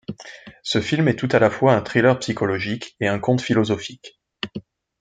Ce film est tout à la fois un thriller psychologique et un conte philosophique.